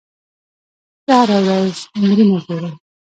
زه هره ورځ ایمیلونه ګورم.